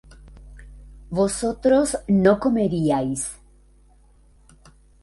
vosotros no comeríais